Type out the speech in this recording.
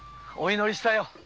お祈りしたよ。